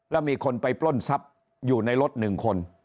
แล้วมีคนไปปล้นทรัพย์อยู่ในรถ๑คน